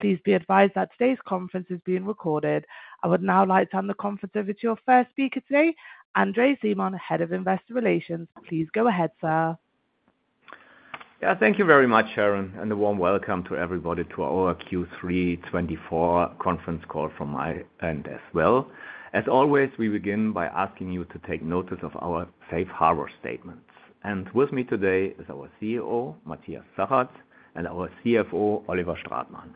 Please be advised that today's conference is being recorded. I would now like to hand the conference over to your first speaker today, Andre Simon, Head of Investor Relations. Please go ahead, sir. Yeah, thank you very much, Sharon, and a warm welcome to everybody to our Q3 2024 conference call from my end as well. As always, we begin by asking you to take notice of our safe harbor statements. And with me today is our CEO, Matthias Zachert, and our CFO, Oliver Stratmann.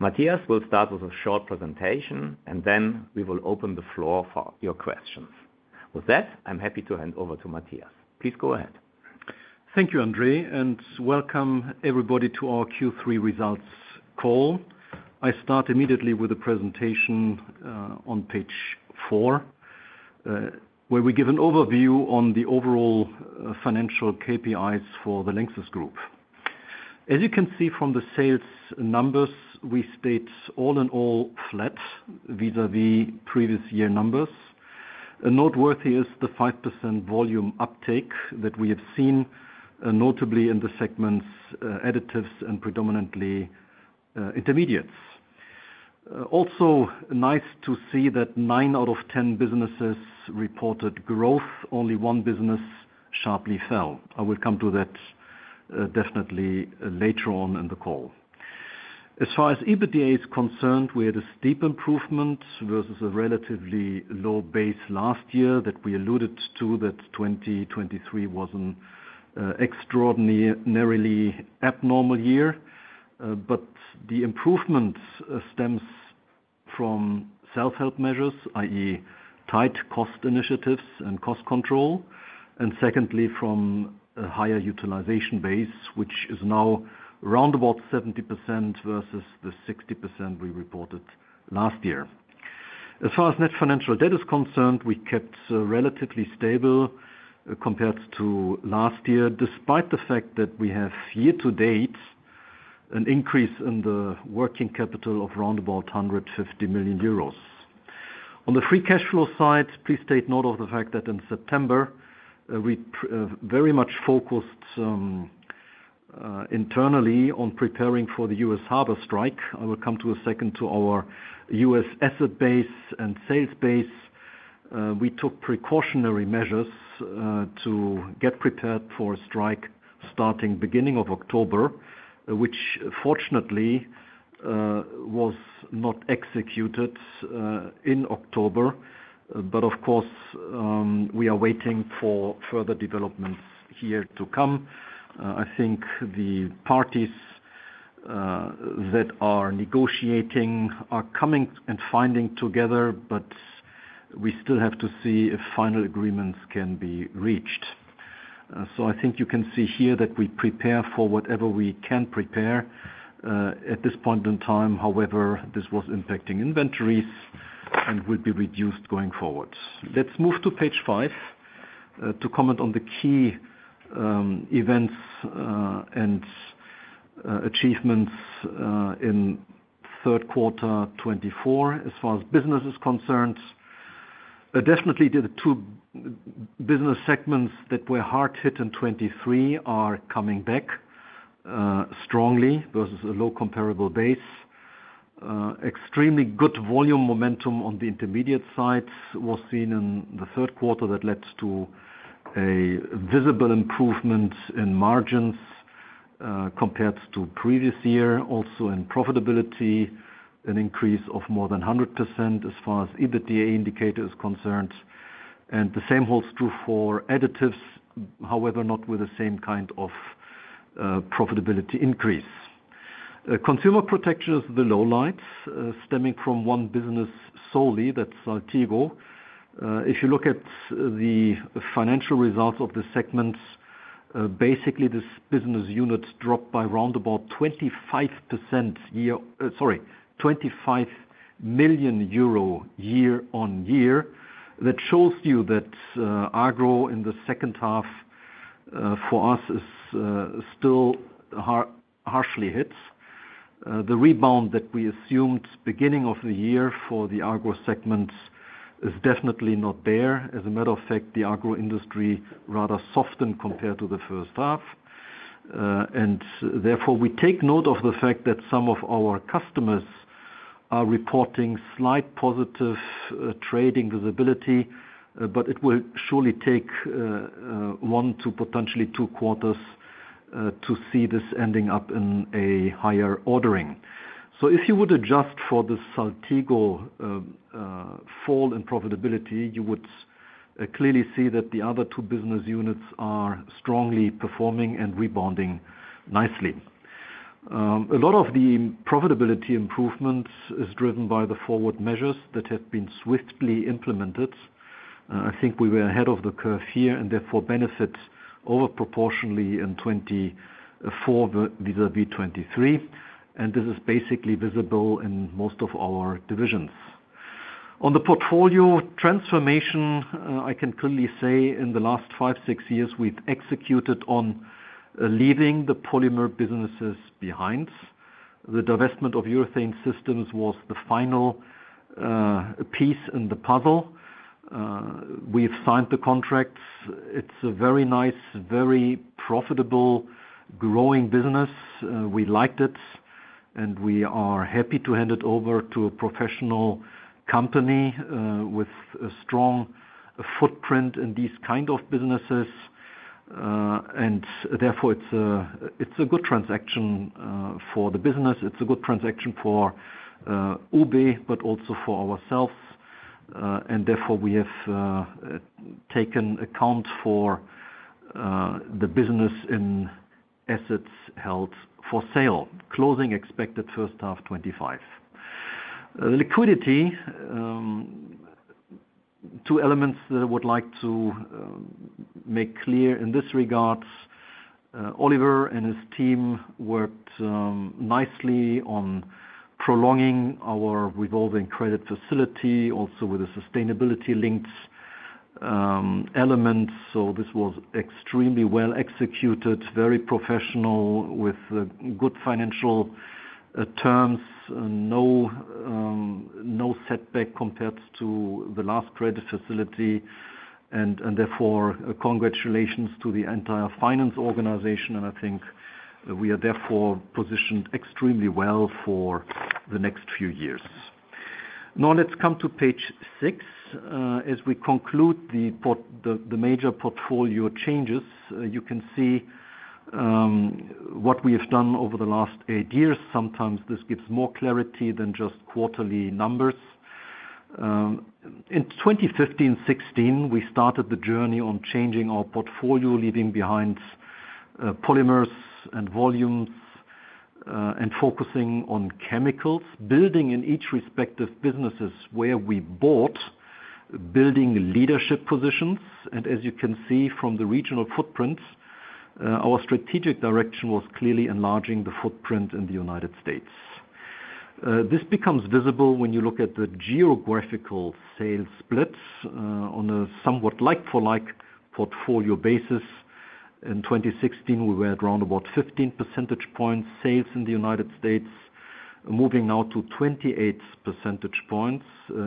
Matthias will start with a short presentation, and then we will open the floor for your questions. With that, I'm happy to hand over to Matthias. Please go ahead. Thank you, Andre, and welcome everybody to our Q3 results call. I start immediately with a presentation on page four, where we give an overview on the overall financial KPIs for the LANXESS Group. As you can see from the sales numbers, we state all in all flat vis-à-vis previous year numbers. Noteworthy is the 5% volume uptake that we have seen, notably in the segments additives and predominantly intermediates. Also, nice to see that nine out of 10 businesses reported growth. Only one business sharply fell. I will come to that definitely later on in the call. As far as EBITDA is concerned, we had a steep improvement versus a relatively low base last year that we alluded to, that 2023 was an extraordinarily abnormal year. But the improvement stems from self-help measures, i.e., tight cost initiatives and cost control, and secondly, from a higher utilization base, which is now around about 70% versus the 60% we reported last year. As far as net financial debt is concerned, we kept relatively stable compared to last year, despite the fact that we have year to date an increase in the working capital of around about 150 million euros. On the free cash flow side, please take note of the fact that in September, we very much focused internally on preparing for the U.S. harbor strike. I will come to that in a second to our U.S. asset base and sales base. We took precautionary measures to get prepared for a strike starting beginning of October, which fortunately was not executed in October. But of course, we are waiting for further developments here to come. I think the parties that are negotiating are coming and finding together, but we still have to see if final agreements can be reached. So I think you can see here that we prepare for whatever we can prepare. At this point in time, however, this was impacting inventories and will be reduced going forward. Let's move to page five to comment on the key events and achievements in third quarter 2024. As far as business is concerned, definitely the two business segments that were hard hit in 2023 are coming back strongly versus a low comparable base. Extremely good volume momentum on the intermediate sides was seen in the third quarter that led to a visible improvement in margins compared to previous year, also in profitability, an increase of more than 100% as far as EBITDA indicator is concerned. And the same holds true for additives, however, not with the same kind of profitability increase. Consumer Protection is the low light, stemming from one business solely, that's Saltigo. If you look at the financial results of the segments, basically this business unit dropped by around about 25%, sorry, 25 million euro year on year. That shows you that agro in the second half for us is still harshly hit. The rebound that we assumed beginning of the year for the agro segment is definitely not there. As a matter of fact, the agro industry rather softened compared to the first half. And therefore, we take note of the fact that some of our customers are reporting slight positive trading visibility, but it will surely take one to potentially two quarters to see this ending up in a higher ordering. So if you would adjust for the Saltigo fall in profitability, you would clearly see that the other two business units are strongly performing and rebounding nicely. A lot of the profitability improvement is driven by the forward measures that have been swiftly implemented. I think we were ahead of the curve here and therefore benefit overproportionally in 2024 vis-à-vis 2023. And this is basically visible in most of our divisions. On the portfolio transformation, I can clearly say in the last five, six years, we've executed on leaving the polymer businesses behind. The divestment of Urethane Systems was the final piece in the puzzle. We've signed the contracts. It's a very nice, very profitable, growing business. We liked it, and we are happy to hand it over to a professional company with a strong footprint in these kinds of businesses. And therefore, it's a good transaction for the business. It's a good transaction for UBE, but also for ourselves. And therefore, we have taken account for the business in assets held for sale. Closing expected first half 2025. Liquidity, two elements that I would like to make clear in this regard. Oliver and his team worked nicely on prolonging our revolving credit facility, also with a sustainability-linked element. So this was extremely well executed, very professional with good financial terms, no setback compared to the last credit facility. And therefore, congratulations to the entire finance organization. And I think we are therefore positioned extremely well for the next few years. Now let's come to page six. As we conclude the major portfolio changes, you can see what we have done over the last eight years. Sometimes this gives more clarity than just quarterly numbers. In 2015-2016, we started the journey on changing our portfolio, leaving behind polymers and volumes and focusing on chemicals, building in each respective businesses where we bought, building leadership positions. As you can see from the regional footprint, our strategic direction was clearly enlarging the footprint in the United States. This becomes visible when you look at the geographical sales split on a somewhat like-for-like portfolio basis. In 2016, we were at around about 15 percentage points sales in the United States, moving now to 28 percentage points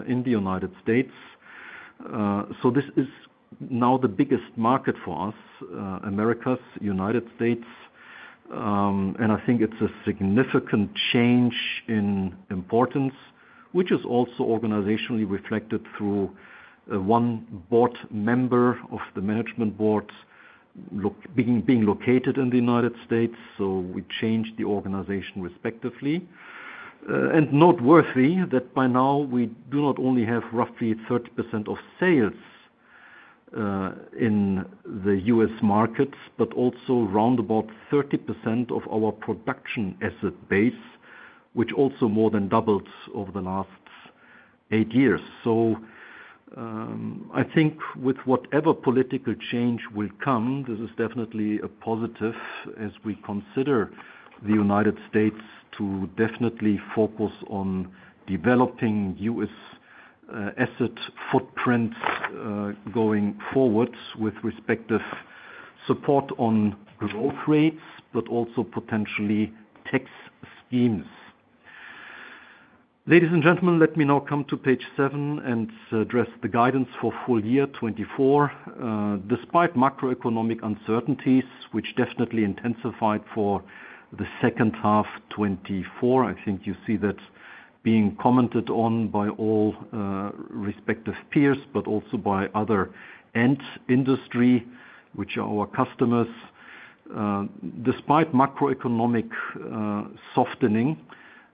in the United States. This is now the biggest market for us, Americas, United States. I think it's a significant change in importance, which is also organizationally reflected through one board member of the management board being located in the United States. We changed the organization respectively. And noteworthy that by now, we do not only have roughly 30% of sales in the U.S. markets, but also round about 30% of our production asset base, which also more than doubled over the last eight years. So I think with whatever political change will come, this is definitely a positive as we consider the United States to definitely focus on developing U.S. asset footprints going forward with respective support on growth rates, but also potentially tax schemes. Ladies and gentlemen, let me now come to page seven and address the guidance for full year 2024. Despite macroeconomic uncertainties, which definitely intensified for the second half 2024, I think you see that being commented on by all respective peers, but also by other end industry, which are our customers. Despite macroeconomic softening,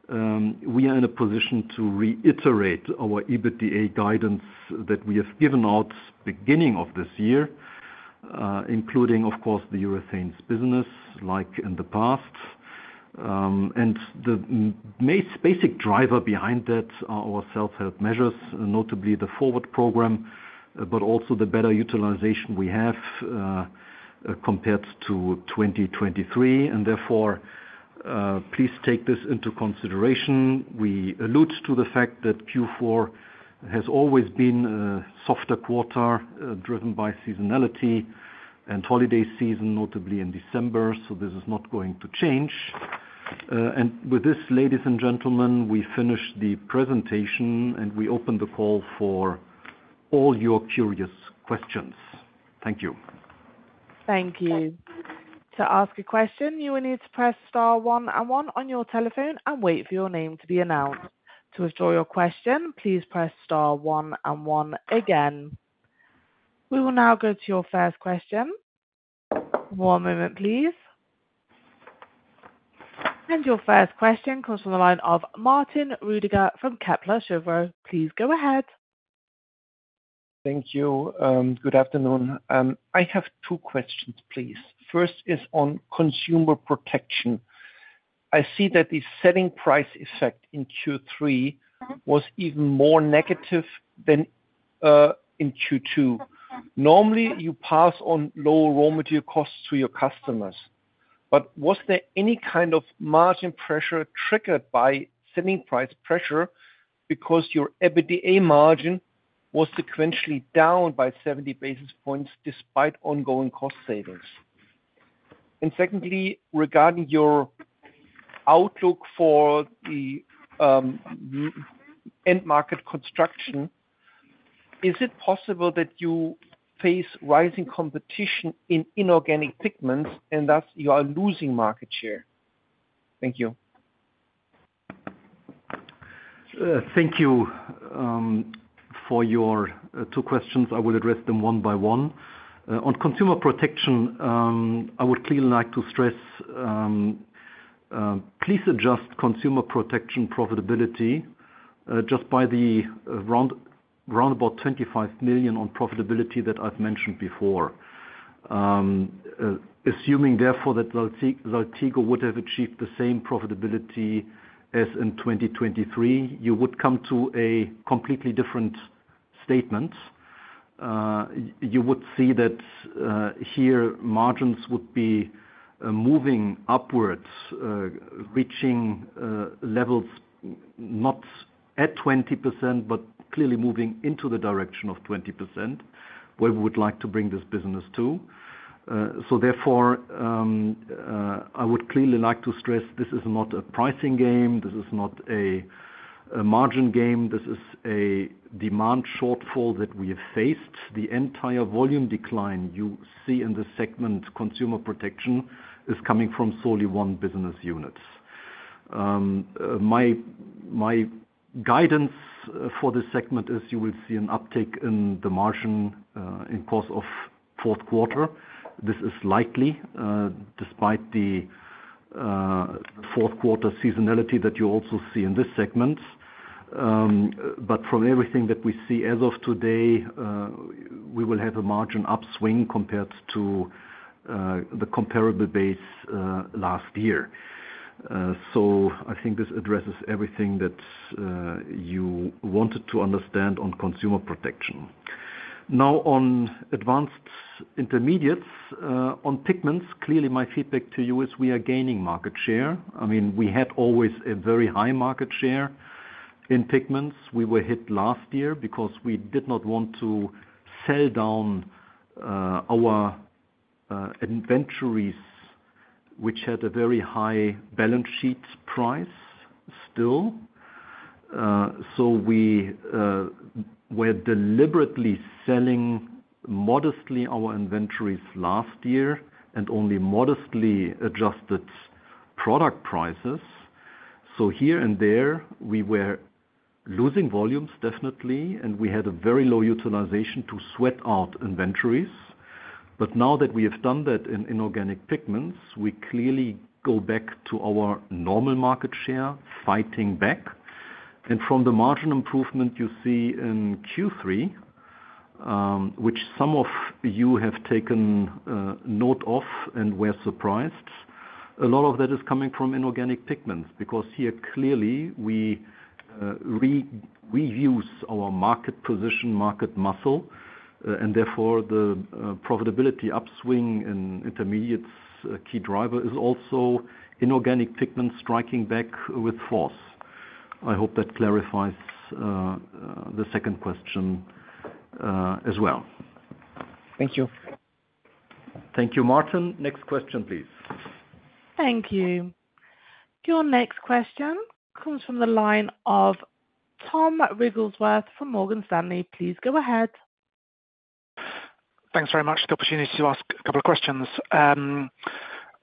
we are in a position to reiterate our EBITDA guidance that we have given out beginning of this year, including, of course, the urethane business like in the past. And the basic driver behind that are our self-help measures, notably the FORWARD! program, but also the better utilization we have compared to 2023. And therefore, please take this into consideration. We allude to the fact that Q4 has always been a softer quarter driven by seasonality and holiday season, notably in December. So this is not going to change. And with this, ladies and gentlemen, we finish the presentation and we open the call for all your curious questions. Thank you. Thank you. To ask a question, you will need to press star one and one on your telephone and wait for your name to be announced. To withdraw your question, please press star one and one again. We will now go to your first question. One moment, please. And your first question comes from the line of Martin Roediger from Kepler Cheuvreux. Please go ahead. Thank you. Good afternoon. I have two questions, please. First is on Consumer Protection. I see that the selling price effect in Q3 was even more negative than in Q2. Normally, you pass on low raw material costs to your customers. But was there any kind of margin pressure triggered by selling price pressure because your EBITDA margin was sequentially down by 70 basis points despite ongoing cost savings? And secondly, regarding your outlook for the end market construction, is it possible that you face rising competition in inorganic pigments and thus you are losing market share? Thank you. Thank you for your two questions. I will address them one by one. On Consumer Protection, I would clearly like to stress, please adjust Consumer Protection profitability just by the round about 25 million on profitability that I've mentioned before. Assuming therefore that Saltigo would have achieved the same profitability as in 2023, you would come to a completely different statement. You would see that here margins would be moving upwards, reaching levels not at 20%, but clearly moving into the direction of 20% where we would like to bring this business to. So therefore, I would clearly like to stress this is not a pricing game. This is not a margin game. This is a demand shortfall that we have faced. The entire volume decline you see in this segment, Consumer Protection, is coming from solely one business unit. My guidance for this segment is you will see an uptick in the margin in the course of the fourth quarter. This is likely despite the fourth quarter seasonality that you also see in this segment, but from everything that we see as of today, we will have a margin upswing compared to the comparable base last year, so I think this addresses everything that you wanted to understand on Consumer Protection. Now, on Advanced Intermediates on pigments, clearly my feedback to you is we are gaining market share. I mean, we had always a very high market share in pigments. We were hit last year because we did not want to sell down our inventories, which had a very high balance sheet price still, so we were deliberately selling modestly our inventories last year and only modestly adjusted product prices. So here and there, we were losing volumes definitely, and we had a very low utilization to sweat out inventories. But now that we have done that in inorganic pigments, we clearly go back to our normal market share fighting back. And from the margin improvement you see in Q3, which some of you have taken note of and were surprised, a lot of that is coming from inorganic pigments because here clearly we reuse our market position, market muscle. And therefore, the profitability upswing in intermediates key driver is also inorganic pigments striking back with force. I hope that clarifies the second question as well. Thank you. Thank you, Martin. Next question, please. Thank you. Your next question comes from the line of Tom Wigglesworth from Morgan Stanley. Please go ahead. Thanks very much for the opportunity to ask a couple of questions.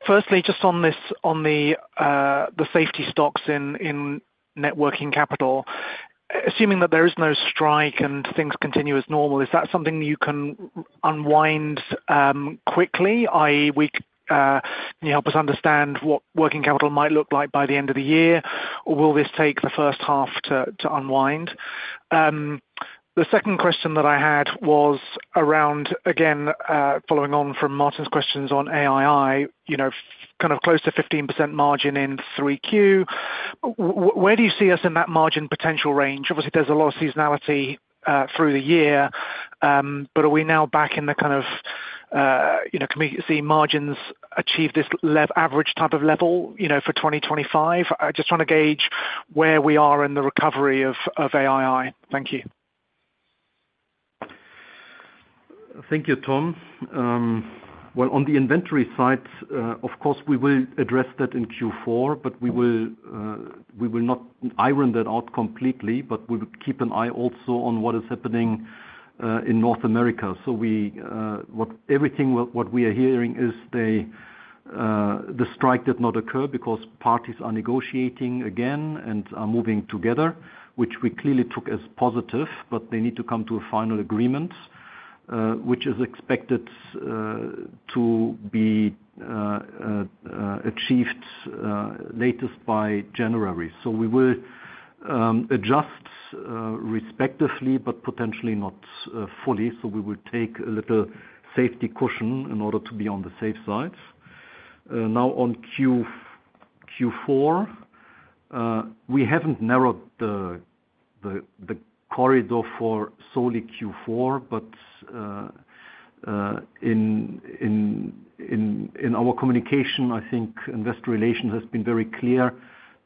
Firstly, just on the safety stocks in net working capital, assuming that there is no strike and things continue as normal, is that something you can unwind quickly? i.e., can you help us understand what working capital might look like by the end of the year? Or will this take the first half to unwind? The second question that I had was around, again, following on from Martin's questions on AII, kind of close to 15% margin in 3Q. Where do you see us in that margin potential range? Obviously, there's a lot of seasonality through the year, but are we now back in the kind of can we see margins achieve this average type of level for 2025? I just want to gauge where we are in the recovery of AII. Thank you. Thank you, Tom. Well, on the inventory side, of course, we will address that in Q4, but we will not iron that out completely, but we will keep an eye also on what is happening in North America. So everything what we are hearing is the strike did not occur because parties are negotiating again and are moving together, which we clearly took as positive, but they need to come to a final agreement, which is expected to be achieved latest by January. So we will adjust respectively, but potentially not fully. So we will take a little safety cushion in order to be on the safe side. Now, on Q4, we haven't narrowed the corridor for solely Q4, but in our communication, I think investor relations has been very clear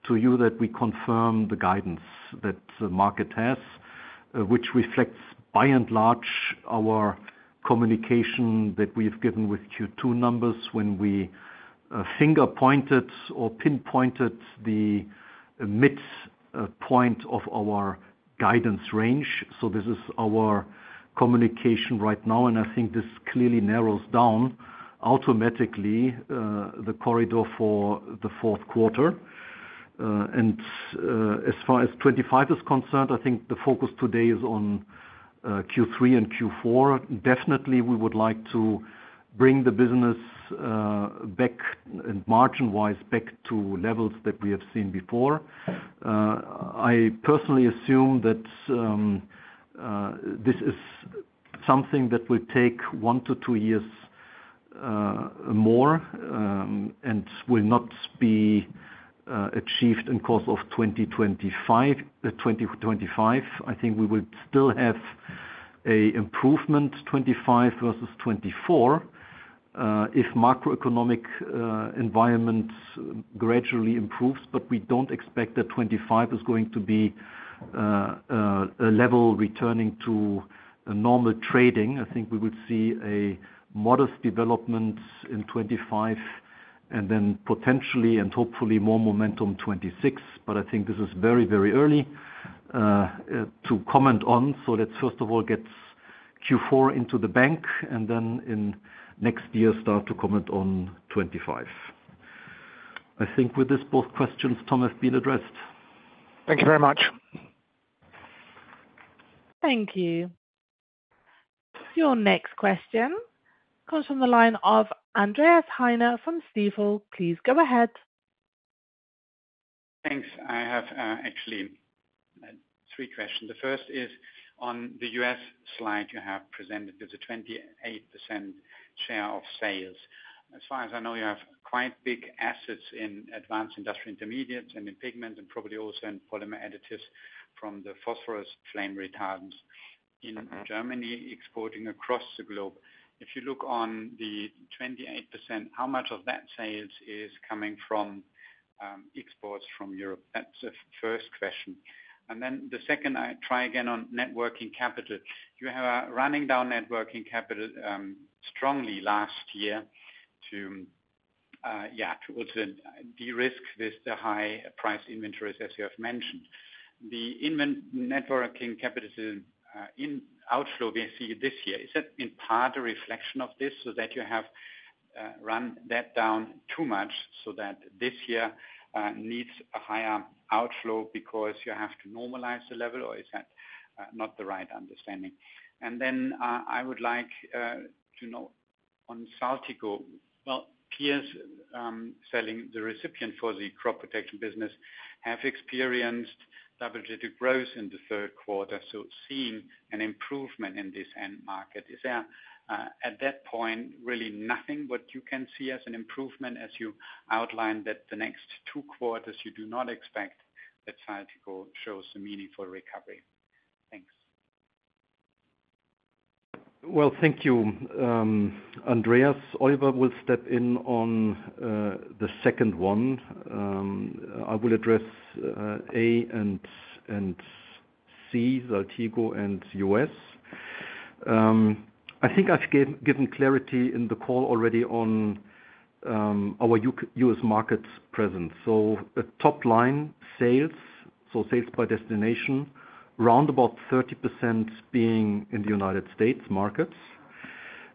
to you that we confirm the guidance that the market has, which reflects by and large our communication that we have given with Q2 numbers when we single-pointed or pinpointed the midpoint of our guidance range. So this is our communication right now. And I think this clearly narrows down automatically the corridor for the fourth quarter. And as far as 2025 is concerned, I think the focus today is on Q3 and Q4. Definitely, we would like to bring the business back and margin-wise back to levels that we have seen before. I personally assume that this is something that will take one to two years more and will not be achieved in course of 2025. I think we will still have an improvement 2025 versus 2024 if macroeconomic environment gradually improves, but we don't expect that 2025 is going to be a level returning to normal trading. I think we will see a modest development in 2025 and then potentially and hopefully more momentum 2026, but I think this is very, very early to comment on. So let's first of all get Q4 into the bank and then in next year start to comment on 2025. I think with this both questions, Tom, have been addressed. Thank you very much. Thank you. Your next question comes from the line of Andreas Heine from Stifel. Please go ahead. Thanks. I have actually three questions. The first is on the U.S. slide you have presented is a 28% share of sales. As far as I know, you have quite big assets in Advanced Industrial Intermediates and in pigments and probably also in Polymer Additives from the phosphorus flame retardants in Germany exporting across the globe. If you look on the 28%, how much of that sales is coming from exports from Europe? That's the first question. And then the second, I try again on net working capital. You have a running down net working capital strongly last year to, to de-risk this high-priced inventories as you have mentioned. The net working capital outflow we see this year, is that in part a reflection of this so that you have run that down too much so that this year needs a higher outflow because you have to normalize the level or is that not the right understanding? And then I would like to know on Saltigo. Well, peers selling the reagents for the crop protection business have experienced double-digit growth in the third quarter, so seeing an improvement in this end market. Is there at that point really nothing that you can see as an improvement as you outlined that the next two quarters you do not expect that Saltigo shows a meaningful recovery? Thanks. Thank you, Andreas. Oliver will step in on the second one. I will address A and C, Saltigo and U.S. I think I've given clarity in the call already on our U.S. markets present. So top line sales, so sales by destination, round about 30% being in the United States markets.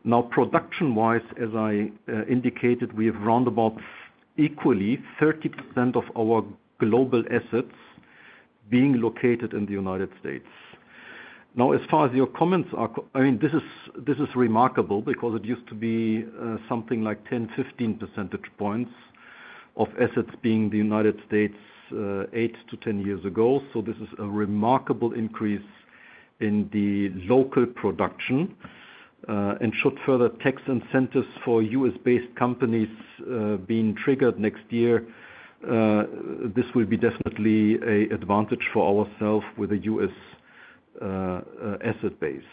Now, production-wise, as I indicated, we have round about equally 30% of our global assets being located in the United States. Now, as far as your comments are, I mean, this is remarkable because it used to be something like 10-15 percentage points of assets being the United States eight to 10 years ago. So this is a remarkable increase in the local production and should further tax incentives for U.S.-based companies being triggered next year, this will be definitely an advantage for ourselves with a U.S. asset base.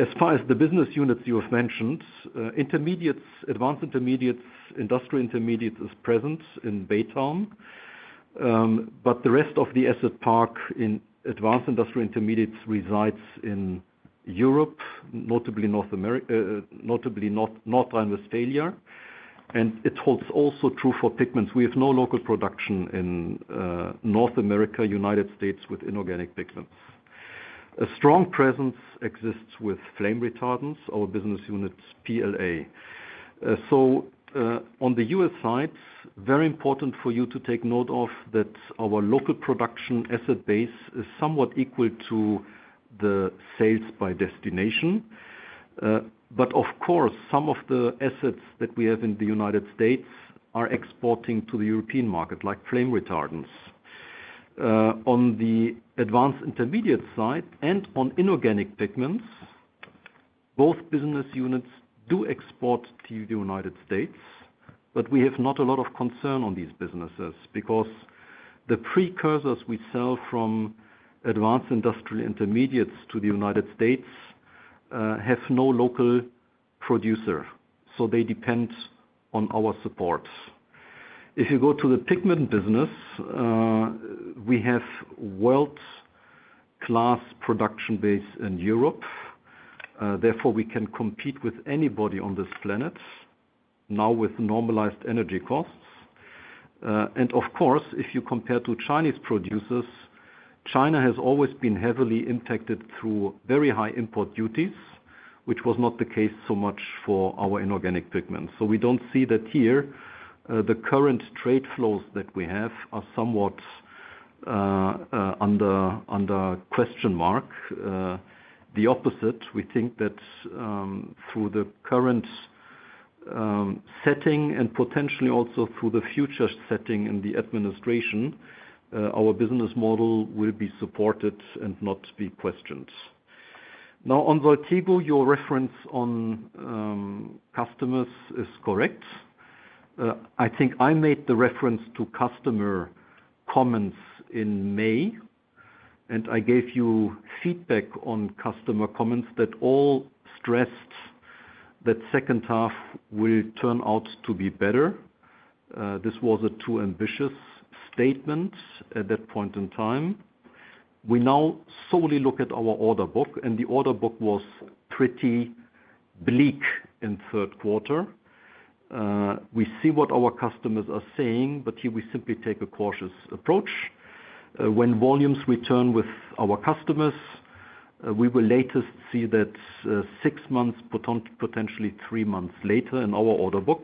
As far as the business units you have mentioned, intermediates, Advanced Intermediates, Industrial Intermediates is present in Baytown, but the rest of the asset park in Advanced Industrial Intermediates resides in Europe, notably North Rhine-Westphalia, and it holds also true for pigments. We have no local production in North America, United States with inorganic pigments. A strong presence exists with flame retardants, our business units, PLA, so on the U.S. side, very important for you to take note of that our local production asset base is somewhat equal to the sales by destination, but of course, some of the assets that we have in the United States are exporting to the European market, like flame retardants. On the Advanced Intermediates side and on inorganic pigments, both business units do export to the United States, but we have not a lot of concern on these businesses because the precursors we sell from Advanced Industrial Intermediates to the United States have no local producer. So they depend on our support. If you go to the pigment business, we have world-class production base in Europe. Therefore, we can compete with anybody on this planet now with normalized energy costs. And of course, if you compare to Chinese producers, China has always been heavily impacted through very high import duties, which was not the case so much for our inorganic pigments. So we don't see that here. The current trade flows that we have are somewhat under question mark. The opposite, we think that through the current setting and potentially also through the future setting in the administration, our business model will be supported and not be questioned. Now, on Saltigo, your reference on customers is correct. I think I made the reference to customer comments in May, and I gave you feedback on customer comments that all stressed that second half will turn out to be better. This was a too ambitious statement at that point in time. We now solely look at our order book, and the order book was pretty bleak in third quarter. We see what our customers are saying, but here we simply take a cautious approach. When volumes return with our customers, we will latest see that six months, potentially three months later in our order book.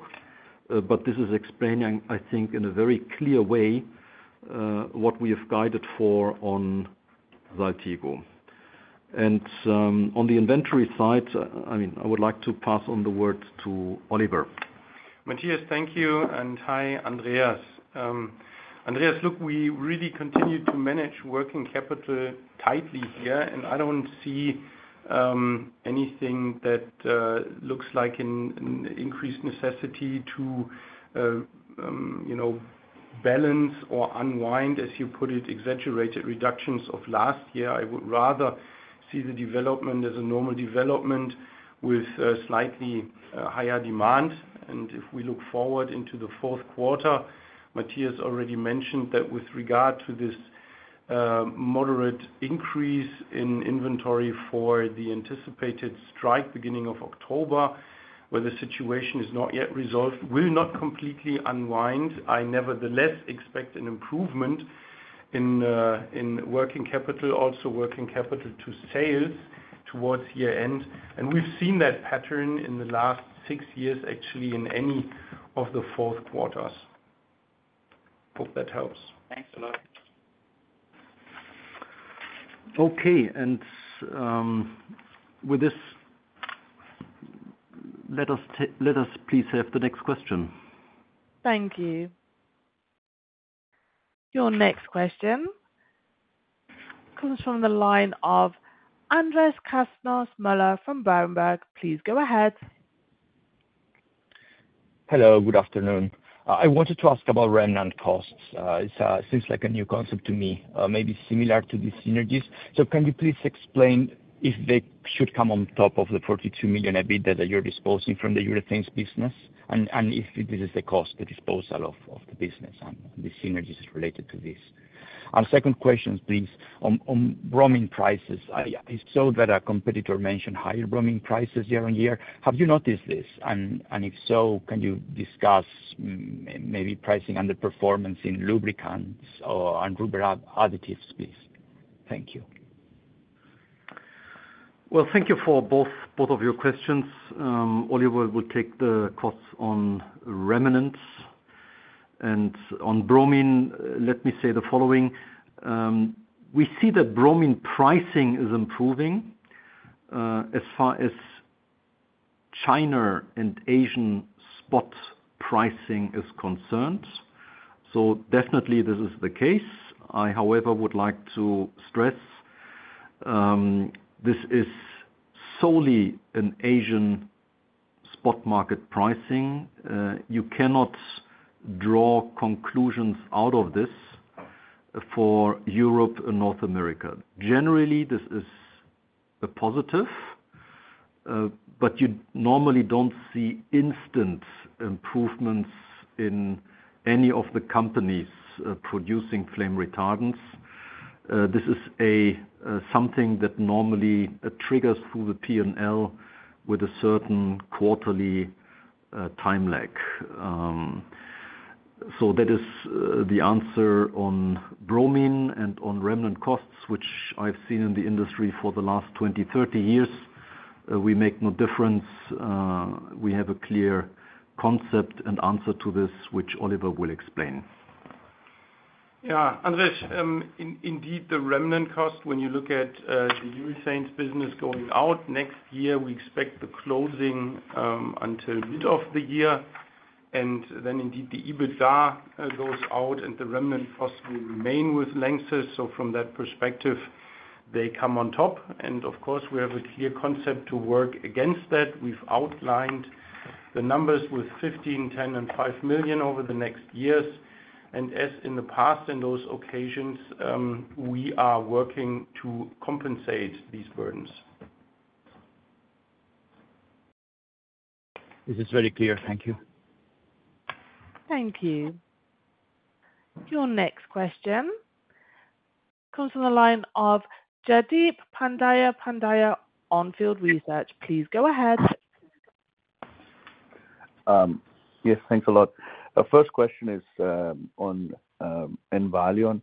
But this is explaining, I think, in a very clear way what we have guided for on Saltigo. And on the inventory side, I mean, I would like to pass on the word to Oliver. Matthias, thank you. And hi, Andreas. Andreas, look, we really continue to manage working capital tightly here, and I don't see anything that looks like an increased necessity to balance or unwind, as you put it, exaggerated reductions of last year. I would rather see the development as a normal development with slightly higher demand. And if we look forward into the fourth quarter, Matthias already mentioned that with regard to this moderate increase in inventory for the anticipated strike beginning of October, where the situation is not yet resolved, will not completely unwind. I nevertheless expect an improvement in working capital, also working capital to sales towards year-end. And we've seen that pattern in the last six years, actually, in any of the fourth quarters. Hope that helps. Thanks a lot. Okay. And with this, let us please have the next question. Thank you. Your next question comes from the line of Andres Castanos-Mollor from Berenberg. Please go ahead. Hello, good afternoon. I wanted to ask about remnant costs. It seems like a new concept to me, maybe similar to the synergies. So can you please explain if they should come on top of the 42 million EBITDA that you're disposing from the Urethane business and if this is the cost of disposal of the business and the synergies related to this? And second question, please, on bromine prices. I saw that a competitor mentioned higher bromine prices year on year. Have you noticed this? And if so, can you discuss maybe pricing underperformance in lubricants or rubber additives, please? Thank you. Thank you for both of your questions. Oliver will take the costs on remnants. On bromine, let me say the following. We see that bromine pricing is improving as far as China and Asian spot pricing is concerned. Definitely, this is the case. I, however, would like to stress this is solely an Asian spot market pricing. You cannot draw conclusions out of this for Europe and North America. Generally, this is a positive, but you normally don't see instant improvements in any of the companies producing flame retardants. This is something that normally triggers through the P&L with a certain quarterly time lag. That is the answer on bromine and on remnant costs, which I've seen in the industry for the last 20, 30 years. We make no difference. We have a clear concept and answer to this, which Oliver will explain. Yeah. Andreas, indeed, the remaining cost, when you look at the Urethane business going out next year, we expect the closing until mid of the year. And then indeed, the EBITDA goes out and the remaining cost will remain with LANXESS. So from that perspective, they come on top. And of course, we have a clear concept to work against that. We've outlined the numbers with 15 million, 10 million, and 5 million over the next years. And as in the past, in those occasions, we are working to compensate these burdens. This is very clear. Thank you. Thank you. Your next question comes from the line of Jaideep Pandya, On Field Investment Research. Please go ahead. Yes, thanks a lot. First question is on Envalior.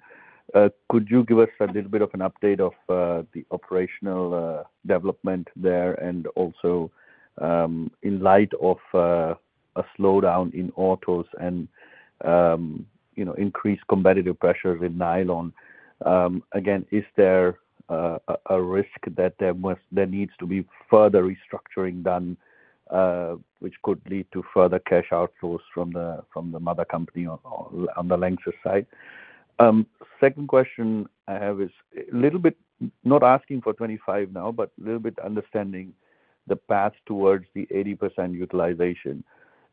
Could you give us a little bit of an update of the operational development there and also in light of a slowdown in autos and increased competitive pressures in nylon? Again, is there a risk that there needs to be further restructuring done, which could lead to further cash outflows from the mother company on the LANXESS side? Second question I have is a little bit not asking for 2025 now, but a little bit understanding the path towards the 80% utilization.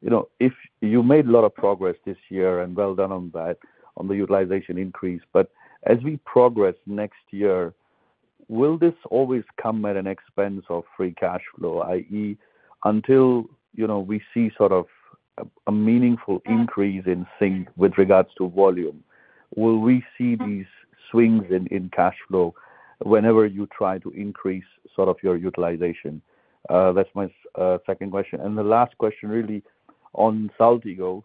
You made a lot of progress this year and well done on that, on the utilization increase. But as we progress next year, will this always come at an expense of free cash flow, i.e., until we see sort of a meaningful increase in sync with regards to volume, will we see these swings in cash flow whenever you try to increase sort of your utilization? That's my second question. And the last question really on Saltigo,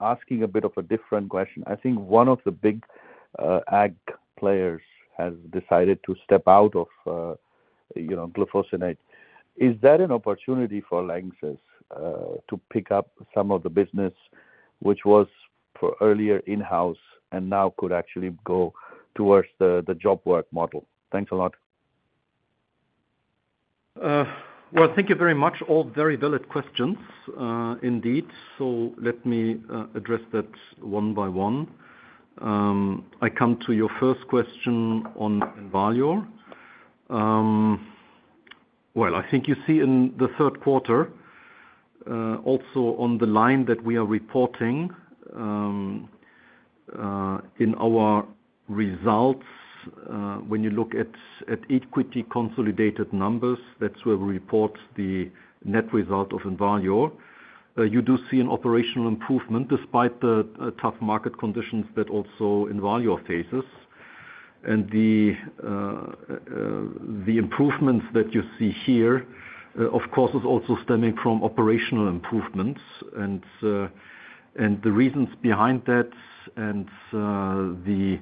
asking a bit of a different question. I think one of the big ag players has decided to step out of glufosinate. Is that an opportunity for LANXESS to pick up some of the business which was earlier in-house and now could actually go towards the job work model? Thanks a lot. Well, thank you very much. All very valid questions, indeed. So let me address that one by one. I come to your first question on Envalior. Well, I think you see in the third quarter, also on the line that we are reporting in our results, when you look at equity consolidated numbers, that's where we report the net result of Envalior, you do see an operational improvement despite the tough market conditions that also Envalior faces. And the improvements that you see here, of course, is also stemming from operational improvements. And the reasons behind that and the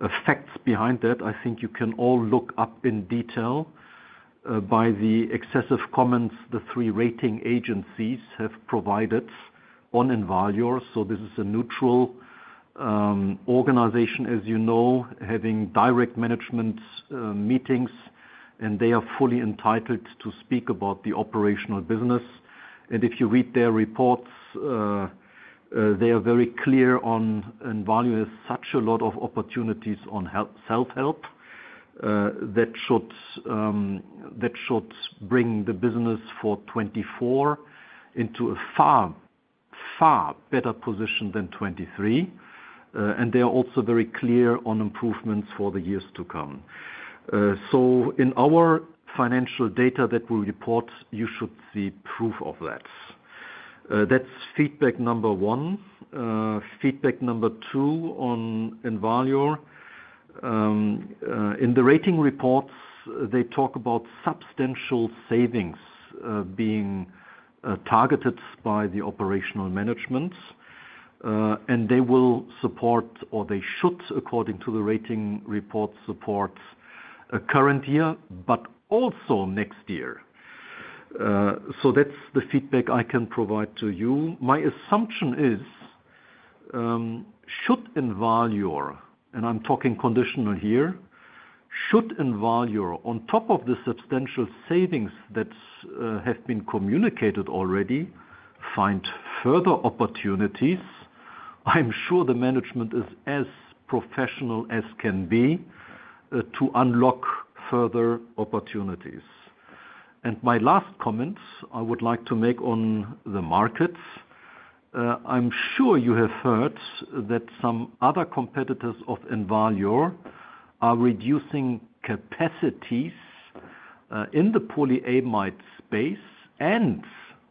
effects behind that, I think you can all look up in detail by the excessive comments the three rating agencies have provided on Envalior. So this is a neutral organization, as you know, having direct management meetings, and they are fully entitled to speak about the operational business. If you read their reports, they are very clear that Envalior has such a lot of opportunities in self-help that should bring the business for 2024 into a far, far better position than 2023. They are also very clear on improvements for the years to come. In our financial data that we report, you should see proof of that. That's feedback number one. Feedback number two on Envalior. In the rating reports, they talk about substantial savings being targeted by the operational management. They will support, or they should, according to the rating report, support a current year, but also next year. That's the feedback I can provide to you. My assumption is, should Envalior, and I'm talking conditional here, should Envalior, on top of the substantial savings that have been communicated already, find further opportunities. I'm sure the management is as professional as can be to unlock further opportunities. And my last comment I would like to make on the markets. I'm sure you have heard that some other competitors of Envalior are reducing capacities in the polyamide space and,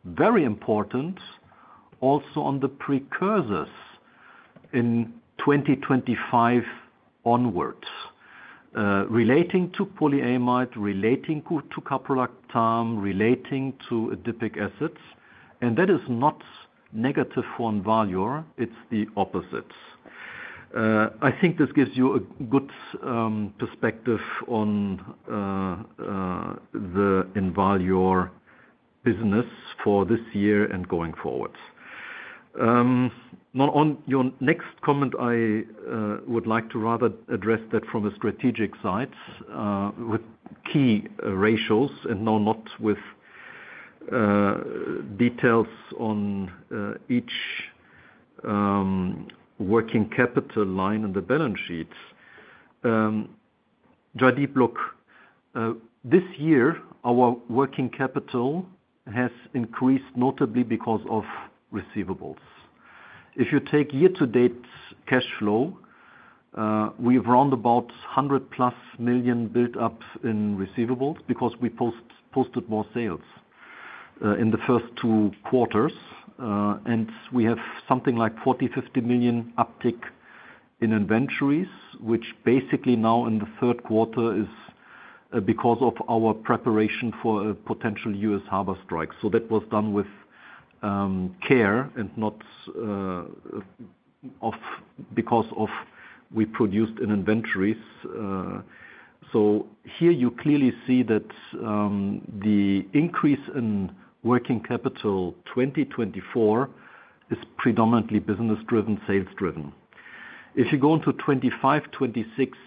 very important, also on the precursors in 2025 onwards, relating to polyamide, relating to caprolactam, relating to adipic acids. And that is not negative for Envalior. It's the opposite. I think this gives you a good perspective on the Envalior business for this year and going forward. Now, on your next comment, I would like to rather address that from a strategic side with key ratios and now not with details on each working capital line in the balance sheet. Jaideep, look, this year, our working capital has increased notably because of receivables. If you take year-to-date cash flow, we've rounded about 100+ million built up in receivables because we posted more sales in the first two quarters. And we have something like 40 million, 50 million uptick in inventories, which basically now in the third quarter is because of our preparation for a potential U.S. harbor strike. So that was done with care and not because we produced in inventories. So here you clearly see that the increase in working capital 2024 is predominantly business-driven, sales-driven. If you go into 2025, 2026,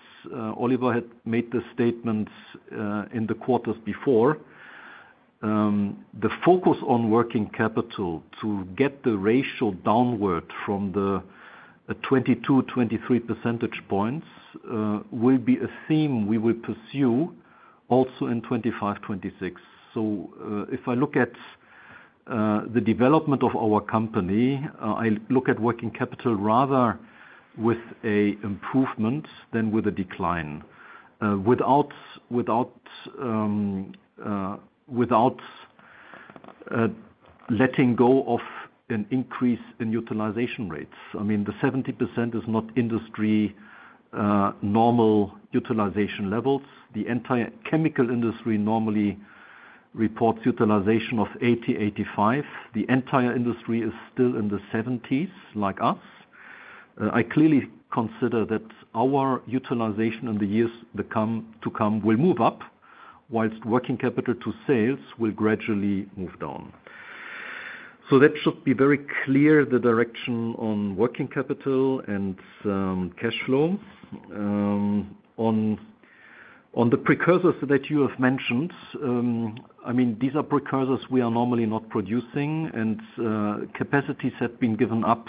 Oliver had made the statements in the quarters before, the focus on working capital to get the ratio downward from the 22-23 percentage points will be a theme we will pursue also in 2025, 2026. So if I look at the development of our company, I look at working capital rather with an improvement than with a decline without letting go of an increase in utilization rates. I mean, the 70% is not industry normal utilization levels. The entire chemical industry normally reports utilization of 80%, 85%. The entire industry is still in the 70%s like us. I clearly consider that our utilization in the years to come will move up, whilst working capital to sales will gradually move down. So that should be very clear the direction on working capital and cash flow. On the precursors that you have mentioned, I mean, these are precursors we are normally not producing, and capacities have been given up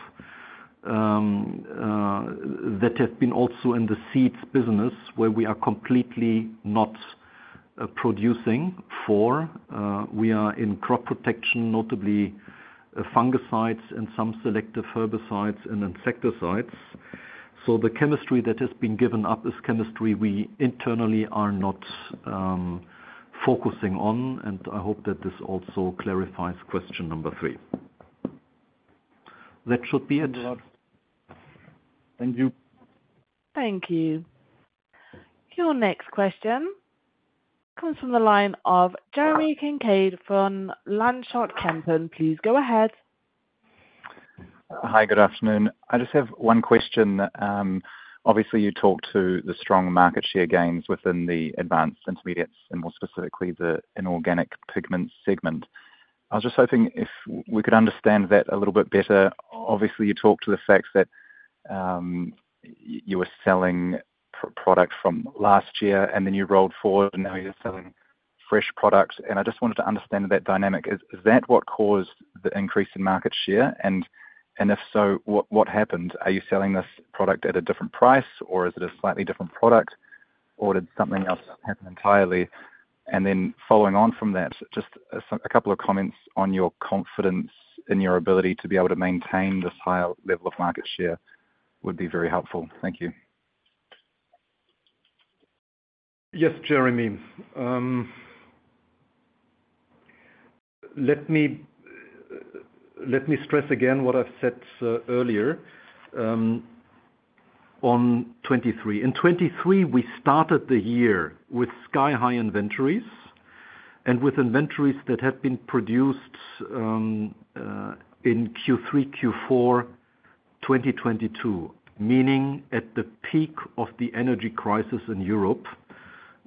that have been also in the seeds business where we are completely not producing for. We are in crop protection, notably fungicides and some selective herbicides and insecticides. So the chemistry that has been given up is chemistry we internally are not focusing on, and I hope that this also clarifies question number three. That should be it. Thank you. Thank you. Your next question comes from the line of Jeremy Kincaid from Lanschot Kempen. Please go ahead. Hi, good afternoon. I just have one question. Obviously, you talk to the strong market share gains within the Advanced Intermediates and more specifically the inorganic pigment segment. I was just hoping if we could understand that a little bit better. Obviously, you talk to the fact that you were selling product from last year, and then you rolled forward, and now you're selling fresh products. And I just wanted to understand that dynamic. Is that what caused the increase in market share? And if so, what happened? Are you selling this product at a different price, or is it a slightly different product, or did something else happen entirely? And then following on from that, just a couple of comments on your confidence in your ability to be able to maintain this higher level of market share would be very helpful. Thank you. Yes, Jeremy. Let me stress again what I've said earlier on 2023. In 2023, we started the year with sky-high inventories and with inventories that had been produced in Q3, Q4 2022, meaning at the peak of the energy crisis in Europe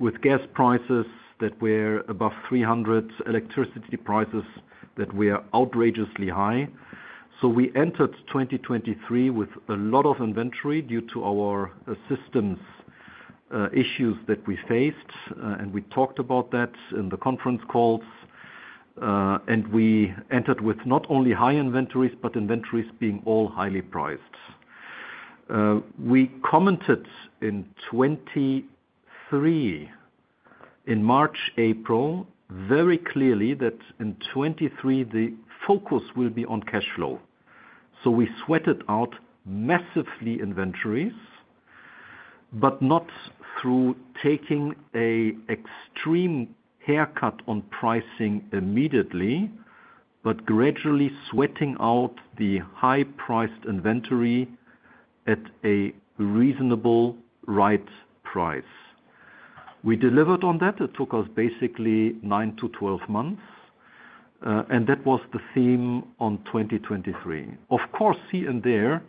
with gas prices that were above 300, electricity prices that were outrageously high. So we entered 2023 with a lot of inventory due to our systems issues that we faced. And we talked about that in the conference calls. And we entered with not only high inventories, but inventories being all highly priced. We commented in 2023, in March, April, very clearly that in 2023, the focus will be on cash flow. So we sweated out massively inventories, but not through taking an extreme haircut on pricing immediately, but gradually sweating out the high-priced inventory at a reasonable right price. We delivered on that. It took us basically nine to 12 months, and that was the theme on 2023. Of course, here and there,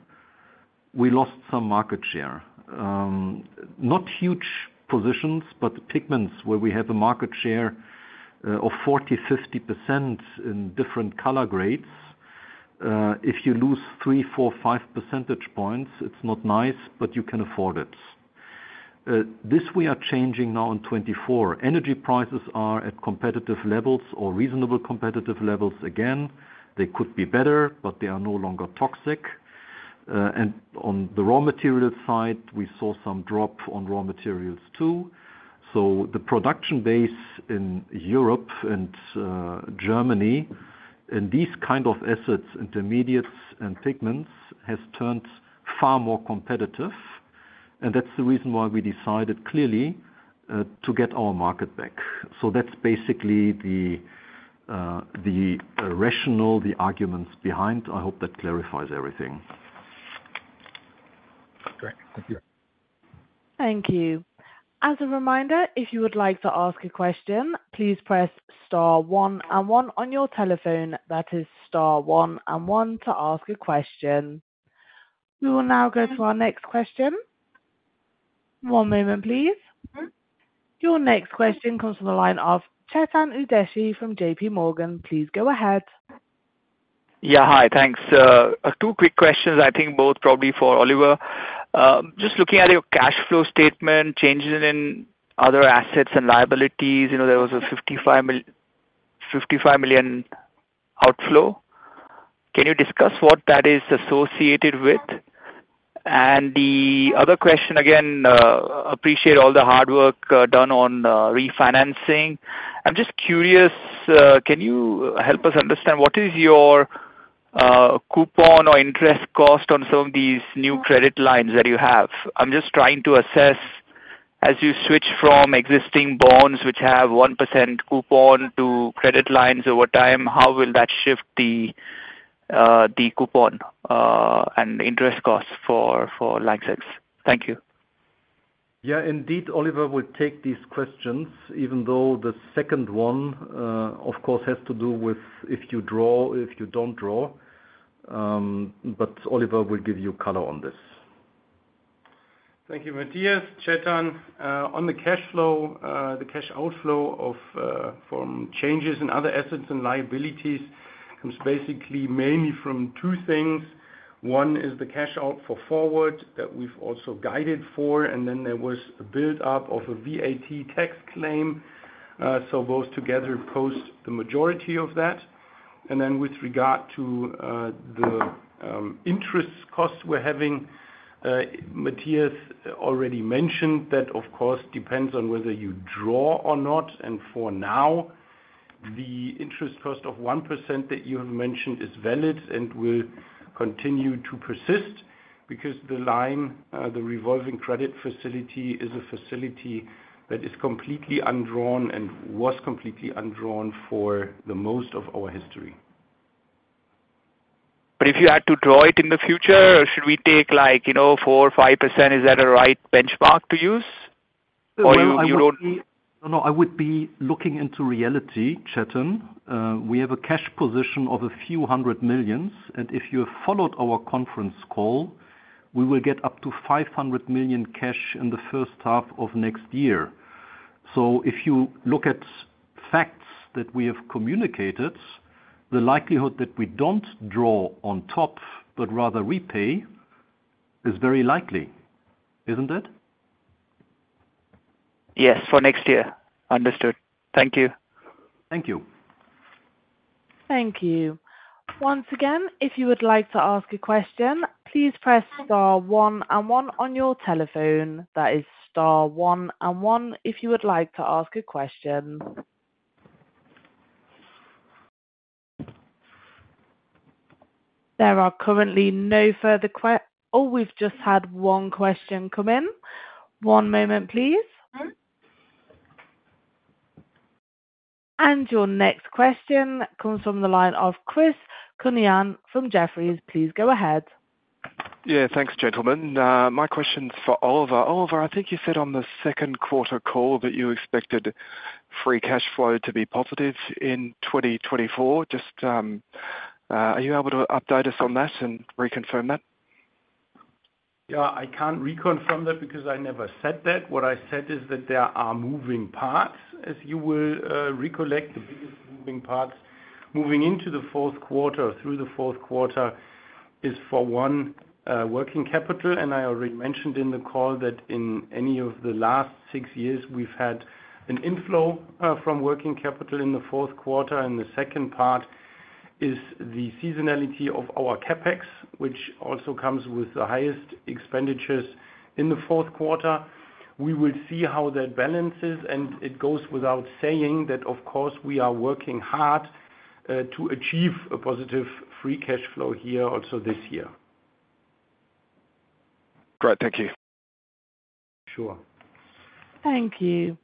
we lost some market share. Not huge positions, but pigments where we have a market share of 40%, 50% in different color grades. If you lose three, four, five percentage points, it's not nice, but you can afford it. This we are changing now in 2024. Energy prices are at competitive levels or reasonable competitive levels again. They could be better, but they are no longer toxic, and on the raw materials side, we saw some drop on raw materials too. So the production base in Europe and Germany and these kinds of assets, intermediates and pigments, has turned far more competitive, and that's the reason why we decided clearly to get our market back. So that's basically the rationale, the arguments behind. I hope that clarifies everything. Great. Thank you. Thank you. As a reminder, if you would like to ask a question, please press star one and one on your telephone. That is star one and one to ask a question. We will now go to our next question. One moment, please. Your next question comes from the line of Chetan Udeshi from JPMorgan. Please go ahead. Yeah. Hi. Thanks. Two quick questions, I think both probably for Oliver. Just looking at your cash flow statement, changes in other assets and liabilities, there was a 55 million outflow. Can you discuss what that is associated with? And the other question, again, appreciate all the hard work done on refinancing. I'm just curious, can you help us understand what is your coupon or interest cost on some of these new credit lines that you have? I'm just trying to assess as you switch from existing bonds, which have 1% coupon to credit lines over time, how will that shift the coupon and interest cost for LANXESS? Thank you. Yeah. Indeed, Oliver will take these questions, even though the second one, of course, has to do with if you draw, if you don't draw. But Oliver will give you color on this. Thank you, Matthias. Chetan, on the cash flow, the cash outflow from changes in other assets and liabilities comes basically mainly from two things. One is the cash out for FORWARD! that we've also guided for. And then there was a build-up of a VAT tax claim. So those together pose the majority of that. And then with regard to the interest costs we're having, Matthias already mentioned that, of course, depends on whether you draw or not. And for now, the interest cost of 1% that you have mentioned is valid and will continue to persist because the line, the Revolving Credit Facility, is a facility that is completely undrawn and was completely undrawn for the most of our history. But if you had to draw it in the future, should we take 4%-5%? Is that a right benchmark to use? Or you don't? No, no. I would be looking into reality, Chetan. We have a cash position of a few hundred millionS. And if you have followed our conference call, we will get up to 500 million cash in the first half of next year. So if you look at facts that we have communicated, the likelihood that we don't draw on top but rather repay is very likely, isn't it? Yes, for next year. Understood. Thank you. Thank you. Thank you. Once again, if you would like to ask a question, please press star one and one on your telephone. That is star one and one if you would like to ask a question. There are currently no further questions. Oh, we've just had one question come in. One moment, please. And your next question comes from the line of Chris Counihan from Jefferies. Please go ahead. Yeah. Thanks, gentlemen. My question's for Oliver. Oliver, I think you said on the second quarter call that you expected free cash flow to be positive in 2024. Just are you able to update us on that and reconfirm that? Yeah. I can't reconfirm that because I never said that. What I said is that there are moving parts, as you will recollect. The biggest moving parts moving into the fourth quarter or through the fourth quarter is for one working capital. And I already mentioned in the call that in any of the last six years, we've had an inflow from working capital in the fourth quarter. And the second part is the seasonality of our CapEx, which also comes with the highest expenditures in the fourth quarter. We will see how that balances. And it goes without saying that, of course, we are working hard to achieve a positive free cash flow here also this year. Great. Thank you. Sure. Thank you.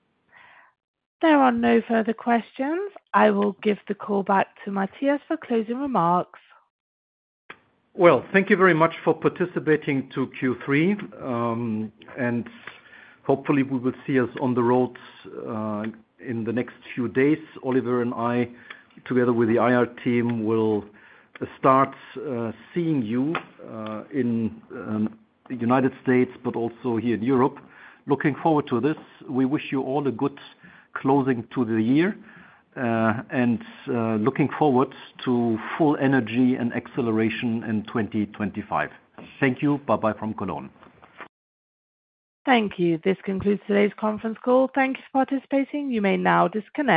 There are no further questions. I will give the call back to Matthias for closing remarks. Thank you very much for participating in Q3. And hopefully, we will see you on the roads in the next few days. Oliver and I, together with the IR team, will start seeing you in the United States, but also here in Europe. Looking forward to this. We wish you all a good close to the year and looking forward to full energy and acceleration in 2025. Thank you. Bye-bye from Cologne. Thank you. This concludes today's conference call. Thank you for participating. You may now disconnect.